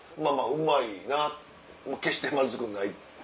うまいな決してまずくない。